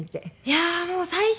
いやあもう最初。